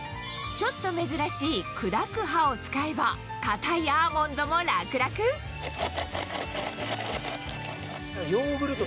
ちょっと珍しい砕く刃を使えば硬いアーモンドも楽々あと